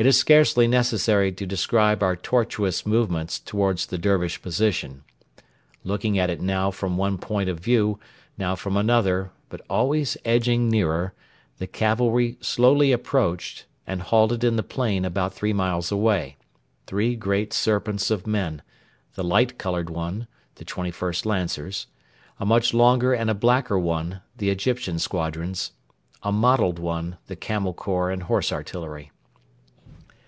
It is scarcely necessary to describe our tortuous movements towards the Dervish position. Looking at it now from one point of view, now from another, but always edging nearer, the cavalry slowly approached, and halted in the plain about three miles away three great serpents of men the light coloured one, the 21st Lancers; a much longer and a blacker one, the Egyptian squadrons; a mottled one, the Camel Corps and Horse Artillery.